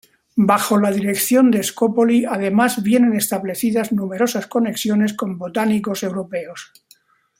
Bajo la dirección de Scopoli además vienen establecidas numerosas conexiones con botánicos europeos.